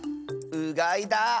うがいだ！